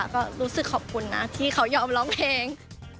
ก็รู้สึกขอบคุณนะที่เขายอมร้องเพลง